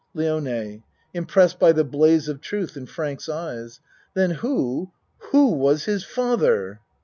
LIONE (Impressed by the blaze of truth in Frank's eyes.) Then who who was his father?